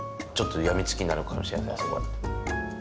ちょっと病みつきになるかもしれないですこれ。